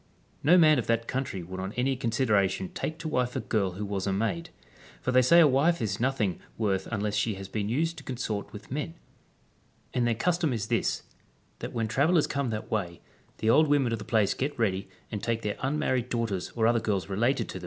No man of that country would on any consideration take to wife a girl who was a maid ; for they say a wife is nothing worth unless she has been used to consort with men. And their custom is this, that when travellers come that way, the old women of the place get ready, and take their unmarried daughters or other girls related to them, VOL.